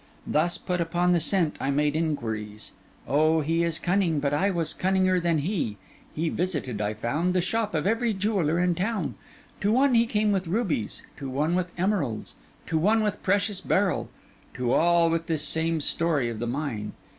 Thus put upon the scent, I made inquiries. Oh, he is cunning, but I was cunninger than he. He visited, I found, the shop of every jeweller in town; to one he came with rubies, to one with emeralds, to one with precious beryl; to all, with this same story of the mine.